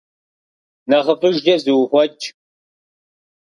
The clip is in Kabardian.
Нэхъыфӏыжкӏэ зуухъуэкӏ.